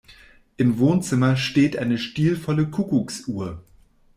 Im Wohnzimmer steht eine stilvolle Kuckucksuhr.